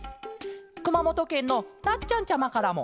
くまもとけんのなっちゃんちゃまからも。